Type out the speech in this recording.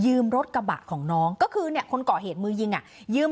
รถกระบะของน้องก็คือเนี่ยคนก่อเหตุมือยิงอ่ะยืม